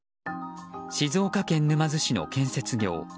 静岡県沼津市の建設業